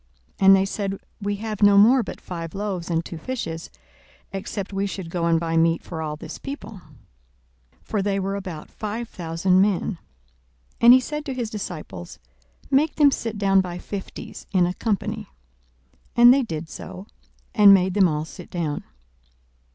And they said, We have no more but five loaves and two fishes; except we should go and buy meat for all this people. 42:009:014 For they were about five thousand men. And he said to his disciples, Make them sit down by fifties in a company. 42:009:015 And they did so, and made them all sit down.